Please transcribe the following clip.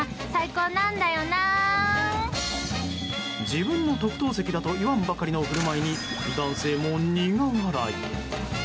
自分の特等席だといわんばかりの振る舞いに男性も苦笑い。